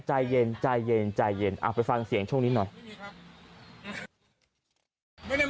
ใจเย็นใจเย็นใจเย็นไปฟังเสียงช่วงนี้หน่อย